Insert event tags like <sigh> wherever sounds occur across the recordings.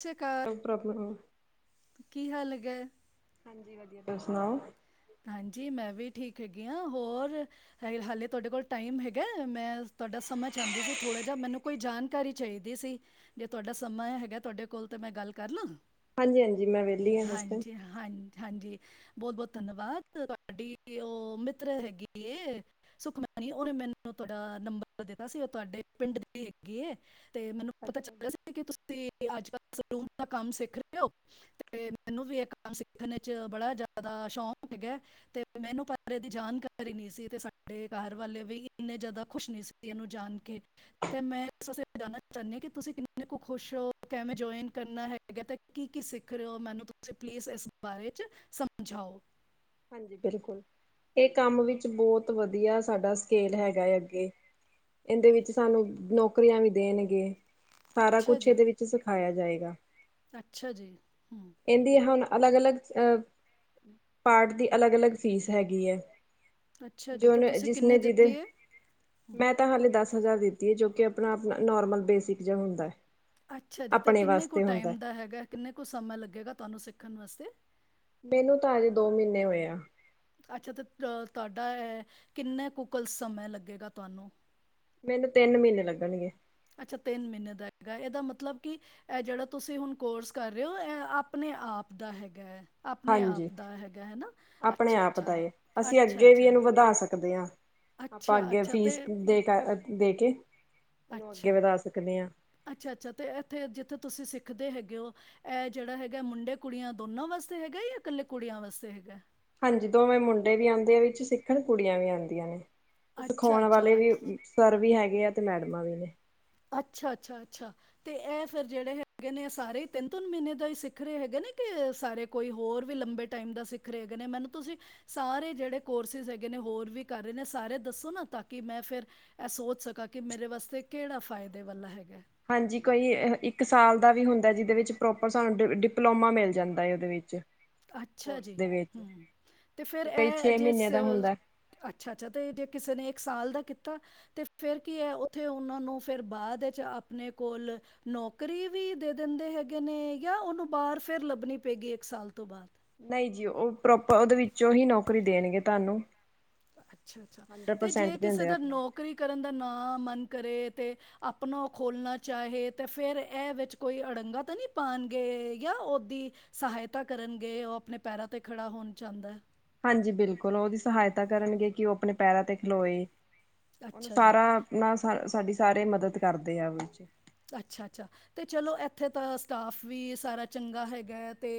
ਸਤਿ ਸ਼੍ਰੀ ਅਕਾਲ <unintelligible> ਹਾਂਜੀ ਵਧੀਆ ਤੁਸੀ ਸੁਣਾਓ। ਹਾਂਜੀ ਮੈਂ ਵੀ ਠੀਕ ਹੈਗੀ ਹਾਂ। ਹੋਰ ਹਾਲੇ ਤੁਹਾਡੇ ਕੋਲ ਟਾਈਮ ਹੈਗਾ? ਮੈਂ ਤੁਹਾਡਾ ਸਮਾਂ ਚਾਹੁੰਦੀ ਸੀ ਥੋੜ੍ਹਾ ਜਿਹਾ, ਮੈਨੂੰ ਕੋਈ ਜਾਣਕਾਰੀ ਚਾਹੀਦੀ ਸੀ, ਜੇ ਤੁਹਾਡਾ ਸਮਾਂ ਹੈਗਾ ਤੁਹਾਡੇ ਕੋਲ ਤਾਂ ਮੈਂ ਗੱਲ ਕਰ ਲਾਂ। ਹਾਂਜੀ ਹਾਂਜੀ ਮੈਂ ਵਿਹਲੀ ਹਾਂ ਇਸ ਟਾਈਮ। ਹਾਂਜੀ, ਹਾਂ ਹਾਂਜੀ ਬਹੁਤ ਬਹੁਤ ਧੰਨਵਾਦ ਤੁਹਾਡੀ ਉਹ ਮਿੱਤਰ ਹੈਗੀ ਸੁਖਮਨੀ ਉਹਨੇ ਮੈਨੂੰ ਤੁਹਾਡਾ ਨੰਬਰ ਦਿੱਤਾ ਸੀ ਉਹ ਤੁਹਾਡੇ ਪਿੰਡ ਦੀ ਹੈਗੀ। ਮੈਨੂੰ ਪਤਾ ਅੱਛਾ ਜੀ ਚੱਲਿਆ ਕੀ ਤੁਸੀ ਅੱਜ ਕੱਲ ਸਲੂਨ ਦਾ ਕੰਮ ਸਿੱਖ ਰਹੇ ਹੋ, ਤੇ ਮੈਨੂੰ ਵੀ ਇਹ ਕੰਮ ਸਿੱਖਣ ਚ ਬੜਾ ਜ਼ਿਆਦਾ ਸ਼ੌਕ ਹੈਗਾ, ਤੇ ਮੈਨੂੰ ਇਹਦੀ ਜਾਣਕਾਰੀ ਨੀ ਸੀ। ਤੇ ਸਾਡੇ ਘਰ ਵਾਲੇ ਵੀ ਇਨੇ ਜ਼ਿਆਦਾ ਖੁਸ਼ ਨੀ ਸੀ ਇਹਨੂੰ ਜਾਣ ਕੇ, ਤੇ ਮੈਂ ਜਾਣਨਾ ਚਾਹੁੰਦੀ ਆਾਂ ਕਿ ਤੁਸੀਂ ਕਿੰਨੇ ਕੁ ਖੁਸ਼ ਹੋ, ਕਿਵੇਂ ਜੁਇਨ ਕਰਨਾ ਹੈਗਾ ਤੇ, ਕੀ ਕੀ ਸਿੱਖ ਰਹੇ ਹੋ? ਮੈਨੂੰ ਤੁਸੀਂ ਪਲੀਜ਼ ਇਸ ਬਾਰੇ ਚ ਸਮਝਾਓ। ਹਾਂਜੀ ਬਿਲਕੁਲ। ਇਹ ਕੰਮ ਵਿੱਚ ਬਹੁਤ ਵਧੀਆ ਸਾਡਾ ਸਕੇਲ ਹੈਗਾ ਹੈ। ਅੱਗੇ ਇਹਦੇ ਵਿੱਚ ਸਾਨੂੰ ਨੌਕਰੀਆਂ ਵੀ ਦੇਣਗੇ। ਸਾਰਾ ਅੱਛਾ ਕੁਛ ਜੀ ਇਹਦੇ ਵਿੱਚ ਸਿਖਾਇਆ <inaudible> ਅੱਛਾ ਜੀ ਹਮ <unintelligible> ਪਾਰਟ ਦੀ ਅਲੱਗ ਅਲੱਗ ਫੀਸ ਹੈਗੀ ਹੈ। <unintelligible> ਅੱਛਾ ਜੀ ਤੇ ਤੁਸੀਂ ਕਿੰਨੀ ਦਿੱਤੀ ਹੈ ਹੂੰ ਦਿੱਤੀ ਹੈ ਜੋ ਕਿ ਆਪਣਾ ਆਪਣਾ ਨੋਰਮਲ ਬੇਸਿਕ ਜਿਹਾ ਹੁੰਦਾ ਹੈ। ਅੱਛਾ ਜੀ ਤੇ ਆਪਣੇ ਕਿੰਨੇ ਕੁ ਵਾਸਤੇ ਹੁੰਦਾ ਟਾਈਮ ਦਾ ਹੈਗਾ, ਕਿੰਨੇ ਕੁ ਸਮਾਂ ਲੱਗੇਗਾ ਤੁਹਾਨੂੰ ਸਿੱਖ <unintelligible> ਮੈਨੂੰ ਤਾਂ ਅਜੇ ਦੋ ਮਹੀਨੇ ਹੋਏ ਆ। ਅੱਛਾ ਤੇ ਅ ਤੁਹਾਡਾ ਕਿੰਨੇ ਕੁ ਕੁਲ ਸਮਾਂ ਲੱਗੇਗਾ ਤੁਹਾਨੂੰ? ਮੈਨੂੰ ਤਿੰਨ ਮਹੀਨੇ ਲੱਗਣਗੇ। ਅੱਛਾ ਮਹੀਨੇ ਦਾ ਹੈਗਾ ਇਹਦਾ ਮਤਲਬ ਕਿ ਇਹ ਜਿਹੜਾ ਤੁਸੀਂ ਹੁਣ ਕੋਰਸ ਕਰ ਰਹੇ ਹੋ ਇਹ ਆਪਣੇ ਆਪ ਦਾ ਹੈਗਾ ਹੈ। ਆਪਣੇ ਹਾਂਜੀ ਆਪ ਦਾ ਹੈਗਾ ਹੈ ਨਾ ਆਪਣੇ ਅੱਛਾ ਆਪ ਦਾ ਅੱਛਾ ਏ। ਅਸੀਂ ਅੱਛਾ ਅੱਗੇ ਵੀ ਅੱਛਾ ਇਹਨੂੰ ਵਧਾ ਸਕਦੇ ਹਾਂ ਆਪਾਂ ਅੱਛਾ ਅੱਗੇ ਅੱਛਾ ਫੀਸ ਤੇ ਦੇ ਕੇ ਇਹਨੂੰ ਅੱਗੇ ਅੱਛਾ, ਵਧਾ ਸਕਦੇ ਹਾਂ। ਅੱਛਾ ਅੱਛਾ ਤੇ ਇੱਥੇ ਜਿੱਥੇ ਤੁਸੀਂ ਸਿੱਖ ਸਖਦੇ ਹੈਗੇ ਹੋ, ਇਹ ਜਿਹੜਾ ਹੈਗਾ ਮੁੰਡੇ ਕੁੜੀਆਂ ਦੋਨਾਂ ਵਾਸਤੇ ਹੈਗਾ ਜਾਂ ਇਕੱਲੇ ਕੁੜੀਆਂ ਵਾਸਤੇ ਹੈਗਾ? ਹਾਂਜੀ ਦੋਵੇਂ ਮੁੰਡੇ ਵੀ ਆਉਂਦੇ ਆ ਵਿੱਚ ਸਿੱਖਣ ਕੁੜੀਆਂ ਵੀ ਆਉਂਦੀਆਂ ਨੇ। ਅੱਛਾ ਸਿਖਾਉਣ ਵਾਲੇ ਅੱਛਾ ਵੀ ਸਰ ਵੀ ਹੈਗੇ ਆ ਤੇ ਮੈਡਮਾਂ ਵੀ ਨੇ। ਅੱਛਾ ਅੱਛਾ ਅੱਛਾ, ਤੇ ਇਹ ਫਿਰ ਜਿਹੜੇ ਹੈਗੇ ਨੇ ਸਾਰੇ ਤਿੰਨ ਤਿੰਨ ਮਹੀਨੇ ਦਾ ਹੀ ਸਿੱਖ ਰਹੇ ਹੈਗੇ ਨੇ ਕਿ ਸਾਰੇ ਕੋਈ ਹੋਰ ਵੀ ਲੰਬੇ ਟਾਈਮ ਦਾ ਸਿੱਖ ਰਹੇ ਹੈਗੇ ਨੇ ਮੈਨੂੰ ਤੁਸੀਂ ਸਾਰੇ ਜਿਹੜੇ ਕੋਰਸਿਸ ਹੈਗੇ ਨੇ ਹੋਰ ਵੀ ਕਰ ਰਹੇ ਨੇ ਸਾਰੇ ਦੱਸੋ ਨਾ ਤਾਂ ਕਿ ਮੈਂ ਫਿਰ ਇਹ ਸੋਚ ਸਕਾਂ ਕਿ ਮੇਰੇ ਵਾਸਤੇ ਕਿਹੜਾ ਫ਼ ਫਾਇਦੇ ਵਾਲਾ ਹੈਗਾ। ਹਾਂਜੀ ਕੋਈ ਇੱਕ ਸਾਲ ਦਾ ਵੀ ਹੁੰਦਾ ਜਿਹਦੇ ਵਿੱਚ ਪ੍ਰੋਪ ਪਰ ਸਾਨੂੰ ਡਿ ਡਿਪਲੋਮਾ ਮਿਲ ਜਾਂਦਾ ਏ ਉਹਦੇ ਵਿੱਚ। ਅੱਛਾ ਕੋਰਸ ਜੀ ਦੇ ਵਿੱਚ ਹਮ ਤੇ ਫੇਰ ਕਈ ਇਹ ਛੇ ਜੇ, ਮਹੀਨੇ ਦਾ ਹੁੰਦਾ। ਅੱਛਾ-ਅੱਛਾ ਤੇ ਜੇ ਕਿਸੇ ਨੇ ਇੱਕ ਸਾਲ ਦਾ ਕੀਤਾ ਤੇ ਫੇਰ ਕੀ ਹੈ ਉੱਥੇ ਉਹਨਾਂ ਨੂੰ ਫਿਰ ਬਾਅਦ ਵਿੱਚ ਆਪਣੇ ਕੋਲ ਨੌਕਰੀ ਵੀ ਦੇ ਦਿੰਦੇ ਹੈਗੇ ਨੇ ਜਾਂ ਉਹਨੂੰ ਬਾਹਰ ਫ਼ੇਰ ਲੱਭਣੀ ਪਏਗੀ ਇੱਕ ਸਾਲ? ਤੋਂ ਬਾਅਦ ਨਹੀਂ ਜੀ ਉਹ ਪ੍ਰੋਪ ਉਹਦੇ ਵਿੱਚੋਂ ਹੀ ਨੌਕਰੀ ਦੇਣਗੇ ਤੁਹਾਨੂੰ। ਅੱਛਾ ਅੱਛਾ ਹੰਡਰਡ ਤੇ ਪਰਸੈਂਟ ਜੇ ਕਿਸੇ ਦਿੰਦੇ ਆ ਦਾ ਆਪਣਾ। ਨੌਕਰੀ ਕਰਨ ਦਾ ਨਾ ਮਨ ਕਰੇ ਤੇ ਆਪਣਾ ਓ ਖੋਲਣਾ ਚਾਹੇ ਤੇ ਫ਼ੇਰ ਇਹ ਵਿਚ ਕੋਈ ਅੜੰਗਾ ਤਾਂ ਨਹੀਂ ਪਾਉਣਗੇ ਜਾਂ ਓਦੀ ਸਹਾਇਤਾ ਕਰਨਗੇ, ਉਹ ਆਪਣੇ ਪੈਰਾਂ ਤੇ ਖੜਾ ਹੋਣ ਚੁੰਦਾ? ਹਾਂਜੀ ਬਿਲਕੁਲ, ਓ ਉਹਦੀ ਸਹਾਇਤਾ ਕਰਨਗੇ ਕਿ ਉਹ ਆਪਣੇ ਪੈਰਾਂ ਤੇ ਖਲੋਏ। ਉਹਨੂੰ ਅੱਛਾ ਜੀ। ਸਾਰਾ ਆਪਣਾ ਸਾ ਸਾਡੀ ਸਾਰੇ ਮਦਦ ਕਰਦੇ ਆ ਉਹ ਵਿੱਚ ਅੱਛਾ ਅੱਛਾ, ਤੇ ਚਲੋ ਇੱਥੇ ਤਾਂ ਸ ਸਟਾਫ ਵੀ ਸਾਰਾ ਚੰਗਾ ਹੈਗਾ ਹੈ, ਤੇ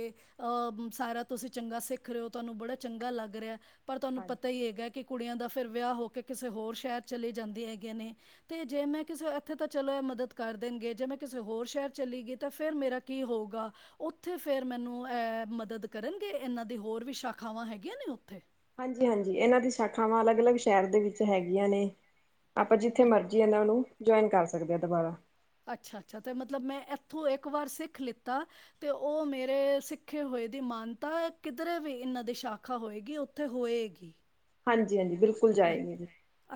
ਅਹ ਸਾਰਾ ਤੁਸੀਂ ਚੰਗਾ ਸਿੱਖ ਰਹੇ ਹੋ ਤੁਹਾਨੂੰ ਬੜਾ ਚੰਗਾ ਲੱਗ ਰਿਹਾ ਪਰ ਤੁਹਾਨੂੰ ਹਾਂਜੀ ਪਤਾ ਹੀ ਹੈਗਾ ਕਿ ਕੁੜੀਆਂ ਦਾ ਫ਼ ਫਿਰ ਵਿਆਹ ਹੋ ਕੇ ਕਿਸੇ ਹੋਰ ਸ਼ਹਿਰ ਚਲੇ ਜਾਂਦੇ ਹੈਗੇ ਨੇ। ਤੇ ਜੇ ਮੈਂ ਕਿਸੇ ਇੱਥੇ ਤਾਂ ਚਲੋ ਇਹ ਮਦਦ ਕਰ ਦੇਣਗੇ, ਜੇ ਮੈਂ ਕਿਸੇ ਹੋਰ ਸ਼ਹਿਰ ਚੱਲ ਗਈ ਤਾਂ ਫਿਰ ਮੇਰਾ ਕੀ ਹੋਊਗਾ। ਉੱਥੇ ਫਿਰ ਮੈਨੂੰ ਇਹ ਮਦਦ ਕਰਨਗੇ? ਇਹਨਾਂ ਦੀ ਹੋਰ ਵੀ ਸ਼ਾਖਾਵਾਂ ਹੈਗੀਆਂ ਨੇ ਉੱਥੇ? ਹਾਂਜੀ ਹਾਂਜੀ ਇਹਨਾਂ ਦੀ ਸ਼ਾਖਾਵਾਂ ਅਲੱਗ ਅਲੱਗ ਸ਼ਹਿਰ ਦੇ ਵਿੱਚ ਹੈਗੀਆਂ ਨੇ। ਆਪਾਂ ਜਿੱਥੇ ਮਰਜ਼ੀ ਇਹਨਾਂ ਨੂੰ ਜੁਆਇਨ ਕਰ ਸਕਦੇ ਆ ਦੁਬਾਰਾ ਅੱਛਾ ਅੱਛਾ ਤੇ ਮਤਲਬ ਮੈਂ ਇਥੋਂ ਇੱਕ ਵਾਰ ਸਿੱਖ ਲਿਤਾ ਤੇ ਉਹ ਮੇਰੇ ਸਿੱਖੇ ਹੋਏ ਦੀ ਮਾਨਤਾ ਕਿਧਰੇ ਵੀ ਇਹਨਾਂ ਦੀ ਸ਼ਾਖਾ ਹੋਏਗੀ ਓਥੇ ਹੋਏਗੀ। ਹਾਂਜੀ ਹਾਂਜੀ ਹਾਂਜੀ ਬਿਲਕੁਲ ਜਾਏਗੀ ਜੀ।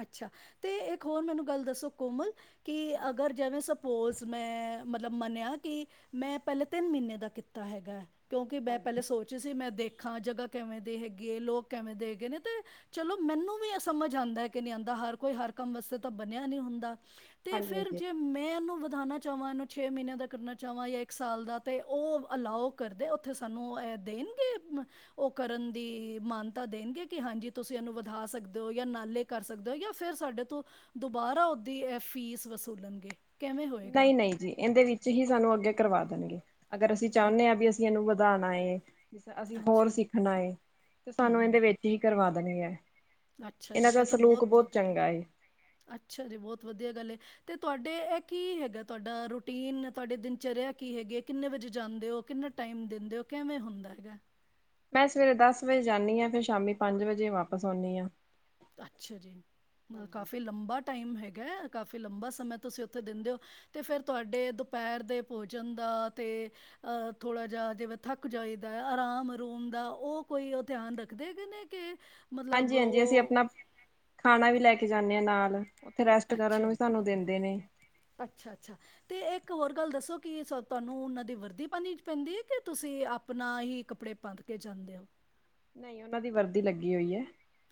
ਅੱਛਾ ਤੇ ਇੱਕ ਹੋਰ ਮੈਨੂੰ ਗੱਲ ਦੱਸੋ ਕੋਮਲ ਕਿ ਅਗਰ ਜਿਵੇਂ ਸਪੋਜ਼ ਮੈਂ ਮਤਲਬ ਮੰਨਿਆ ਕਿ ਮੈਂ ਪਹਿਲੇ ਤਿੰਨ ਮਹੀਨੇ ਦਾ ਕੀਤਾ ਹੈਗਾ। ਕਿਉਂਕਿ ਮੈਂ ਪਹਿਲੇ ਹਾਂਜੀ ਸੋਚ ਰਹੀ ਸੀ ਮੈਂ ਦੇਖ ਹਾਂ ਜਗ੍ਹਾ ਕਿਵੇਂ ਦੀ ਹੈਗੀ ਹੈ, ਲੋਕ ਕਿਵੇਂ ਦੇ ਹੈਗੇ ਨੇ, ਤੇ ਚਲੋ ਮੈਨੂੰ ਵੀ ਇਹ ਸਮਝ ਆਉਂਦਾ ਕਿ ਨਹੀਂ ਆਉਂਦਾ, ਹਰ ਕੋਈ ਹਰ ਕੰਮ ਵਾਸਤੇ ਤਾਂ ਬਣਿਆ ਨਹੀਂ ਹੁੰਦਾ। ਤੇ ਹਾਂਜੀ ਫੇਰ ਹਾਂਜੀ ਜੇ ਮੈਂ ਇਹਨੂੰ ਵਧਾਉਣੇ ਚਾਵਾਂ ਇਹਨੂੰ ਛੇ ਮਹੀਨੇ ਦਾ ਕਰਨਾ ਚਾਹਵਾਂ ਜਾਂ ਇੱਕ ਸਾਲ ਦਾ ਤੇ ਉਹ ਅਲਾਓ ਕਰਦੇ ਉੱਥੇ ਸਾਨੂੰ ਦੇਣਗੇ ਉਹ ਕਰਨ ਦੀ ਮਾਨਤਾ ਦੇਣਗੇ ਕਿ ਹਾਂਜੀ ਤੁਸੀਂ ਇਹਨੂੰ ਵਧਾ ਸਕਦੇ ਜਾਂ ਨਾਲੇ ਕਰ ਸਕਦੇ ਹੋ ਜਾਂ ਫਿਰ ਸਾਡੇ ਤੋਂ ਦੁਬਾਰਾ ਉਹਦੀ ਫੀਸ ਵਸੂਲਣਗੇ? ਕਿਵੇਂ ਹੋਏਗਾ ਨਹੀਂ ਨਹੀਂ ਜੀ ਇਹਦੇ ਵਿੱਚ ਹੀ ਸਾਨੂੰ ਅੱਗੇ ਕਰਵਾ <inaudible> ਅਗਰ ਅਸੀਂ ਚਾਹੁੰਦੇ ਅੱਛ- ਆ ਹਾਂ ਵੀ ਅਸੀਂ ਇਹਨੂੰ ਵ ਦਾਣਾ ਏ ਅਸੀਂ ਅੱਛਾ ਹੋਰ ਸਿੱਖਣਾ ਏ ਤੇ ਹੂੰ ਸਾਨੂੰ ਹੂੰ ਇਦੇਂ ਵਿੱਚ ਹੀ ਕਰਵਾ ਤਾਂ ਨਹੀਂ ਹੈ ਅੱਛਾ ਇਹਨਾਂ ਜੀ ਦਾ ਇਹ ਤਾਂ ਸਲੂਕ ਬਹੁਤ ਵਧੀ ਚੰਗਾ ਏ <unintelligible> ਅੱਛਾ ਜੀ ਬਹੁਤ ਵਧੀਆ ਗੱਲ ਏ। ਤੇ ਤੁਹਾਡੇ ਇਹ ਕੀ ਹੈਗਾ? ਤੁਹਾਡਾ ਰੂਟੀਨ ਤੁਹਾਡੇ ਦਿਨਚਰੀਆ ਕੀ ਹੈਗੀ? ਕਿੰਨੇ ਵਜੇ ਜਾਂਦੇ ਹੋ? ਕਿੰਨਾ ਟਾਈਮ ਦਿੰਦੇ ਹੋ? ਕਿਵੇਂ ਹੁੰਦਾ ਹੈਗਾ? ਮੈਂ ਸਵੇਰੇ ਦਸ ਵਜੇ ਜਾਂਦੀ ਹਾਂ ਫਿਰ ਸ਼ਾਮੀ ਪੰਜ ਵਜੇ ਵਾਪਸ ਆਉਂਦੀ ਹਾਂ। ਅੱਛਾ ਜੀ, ਕਾਫੀ ਲੰਬਾ ਟਾਈਮ ਹੈਗਾ। ਹੈ ਕਾਫੀ ਲੰਬਾ ਸਮੇਂ ਤੁਸੀਂ ਉਥੇ ਦਿੰਦੇ ਹੋ ਤੇ ਫਿਰ ਤੁਹਾਡੇ ਦੁਪਹਿਰ ਦੇ ਭੋਜਨ ਦਾ ਤੇ ਆ ਥੋੜਾ ਜਿਹਾ ਜਿਵੇਂ ਥੱਕ ਜਾਈਦਾ ਆਰਾਮ ਅਰੂਮ ਦਾ ਉਹ ਕੋਈ ਉਹ ਧਿਆਨ ਰੱਖਦੇ ਨੇ ਕੇ ਹਾਂਜੀ ਹਾਂਜੀ ਅਸੀਂ ਆਪਣਾ ਖਾਣਾ ਵੀ ਲੈ ਕੇ ਜਾ ਮੈਂ ਨਾਲ। ਉੱਥੇ ਰੈਸਟ ਕਰਨ ਵੀ ਸਾਨੂੰ ਦਿੰਦੇ ਨੇ ਅੱਛਾ-ਅੱਛਾ ਤੇ ਇੱਕ ਹੋਰ ਗੱਲ ਦੱਸੋ? ਕਿ ਤੁਹਾਨੂੰ ਉਹਨਾਂ ਦੀ ਵਰਦੀ ਪਾਣੀ ਪੈਂਦੀ ਹੈ? ਕਿ ਤੁਸੀਂ ਆਪਣਾ ਹੀ ਕੱਪੜੇ ਪਾ ਕੇ ਜਾਂਦੇ ਹੋ? ਨਹੀਂ ਉਹਨਾਂ ਦੀ ਵਰਦੀ ਲੱਗੀ ਹੋਈ ਹੈ।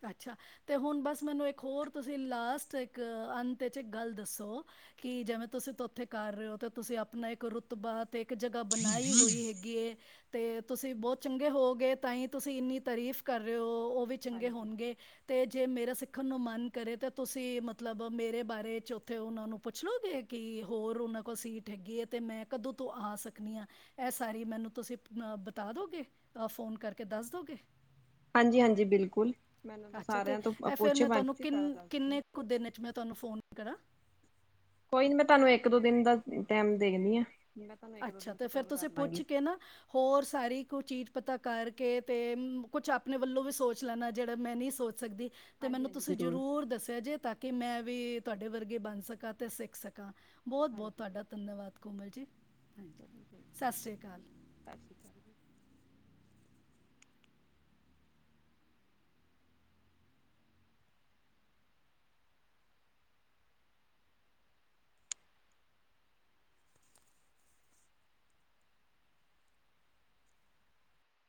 ਅੱਛਾ, ਤੇ ਹੁਣ ਬਸ ਮੈਨੂੰ ਇੱਕ ਹੋਰ ਤੁਸੀਂ ਲਾਸਟ ਇੱਕ ਅੰਤ ਵਿੱਚ ਇਕ ਗੱਲ ਦੱਸੋ? ਕਿ ਜਿਵੇਂ ਤੁਸੀਂ ਉਥੇ ਕਰ ਰਹੇ ਹੋ ਤੇ ਤੁਸੀਂ ਆਪਣਾ ਇੱਕ ਰੁਤਬਾ। ਤੇ ਇੱਕ ਜਗਾ ਬਣਾਈ ਹੋਈ ਹੈਗੀ ਏ। ਤੇ ਤੁਸੀਂ ਬਹੁਤ ਚੰਗੇ ਹੋਵੋਗੇ ਤਾਂ ਹੀ ਤੁਸੀਂ ਇੰਨੀ ਤਾਰੀਫ਼ ਕਰ ਰਹੇ ਹੋ ਉਹ ਵੀ ਤੇ ਹਾਂਜੀ ਹੋਣਗੇ ਤੇਜ਼। ਜੇ ਮੇਰਾ ਸਿੱਖਣ ਨੂੰ ਮਨ ਕਰੇ ਤਾਂ ਤੁਸੀਂ ਮਤਲਬ ਮੇਰੇ ਬਾਰੇ 'ਚ ਉੱਥੇ ਉਹਨਾਂ ਨੂੰ ਪੁੱਛ ਲਓਗੇ ਕਿ ਹੋਰ ਉਹਨਾਂ ਕੋਲ ਸੀਟ ਹੈਗੀ ਹੈ ਤੇ ਮੈਂ ਕਦੋਂ ਤੋਂ ਆ ਸਕਨੀ ਹਾਂ ਇਹ ਸਾਰੀ ਮੈਨੂੰ ਤੁਸੀਂ ਬਤਾ ਦਓਗੇ ਫੋਨ ਕਰਕੇ ਦੱਸ ਦਿਓਗੇ। ਹਾਂਜੀ-ਹਾਂਜੀ ਬਿਲਕੁਲ। ਮੈਨੂੰ ਤਾਂ ਅੱਛਾ ਤੇ ਸਾਰਿਆਂ ਤੋਂ ਇਹ ਫਿਰ ਪੋਛੇ ਮੈਂ ਵਜ ਤੁਹਾਨੂੰ ਕੇ ਸਾਰਾ ਕਿੰਨ ਦੱਸ ਦੂੰ। ਕਿੰਨੇ ਕੁ ਦਿਨ ਚ ਮੈਂ ਤੁਹਾਨੂੰ ਫੋਨ ਕਰਾਂ। ਕੋਈ ਨੀ ਮੈਂ ਤੁਹਾਨੂੰ ਇੱਕ ਦੋ ਦਿਨ ਦਾ ਟਾਇਮ ਦੇਨੀ ਆ। ਅੱਛਾ, ਤੇ ਫੇਰ ਤੁਸੀਂ ਪੁੱਛ ਕੇ ਨਾ ਹੋਰ ਸਾਰੀ ਕੋਈ ਚੀਜ਼ ਪਤਾ ਕਰਕੇ ਤੇ ਕੁਛ ਆਪਣੇ ਵੱਲੋਂ ਵੀ ਸੋਚ ਲੈਣਾ ਜਿਹੜਾ ਮੈਂ ਨਹੀਂ ਸੋਚ ਸਕਦੀ। ਤੇ ਹਾਂਜੀ ਮੈਨੂੰ ਹਾਂਜੀ ਤੁਸੀਂ ਜ਼ਰੂਰ ਦੱਸਿਆ ਜੇ ਤਾਂ ਕਿ ਮੈਂ ਵੀ ਤੁਹਾਡੇ ਵਰਗੇ ਬਣ ਸਕਾਂ ਤੇ ਸਿੱਖ ਸਕਾਂ। ਬਹੁਤ-ਬਹੁਤ ਹਾਂਜੀ ਤੁਹਾਡਾ ਧੰਨਵਾਦ ਕੋਮਲ ਜੀ। ਹਾਂਜੀ ਸਤਿ ਸ੍ਰੀ ਸਤਿ ਸ਼੍ਰੀ ਅਕਾਲ ਅਕਾਲ ਜੀ।